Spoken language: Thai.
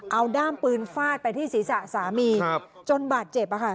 เอาด้ามปืนฟาดไปที่ศีรษะสามีจนบาดเจ็บ